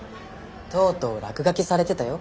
とうとう落書きされてたよ